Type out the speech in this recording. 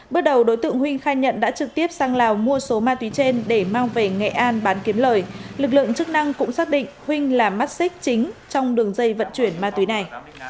bước đầu đối tượng huỳnh khai nhận đã trực tiếp sang lào mua số ma túy trên để mang về nghệ an bán kiếm lời lực lượng chức năng cũng xác định huỳnh là mắt xích chính trong đường dây vận chuyển ma túy này